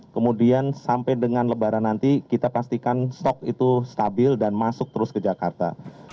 kemudian sampai dengan lebaran nanti kita pastikan stok itu stabil dan masuk terus ke jakarta